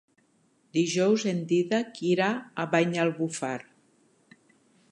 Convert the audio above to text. Dijous en Dídac irà a Banyalbufar.